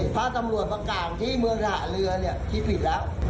ถ้าตำรวจประกาศที่เมืองหละเรือคิดผิดแล้ว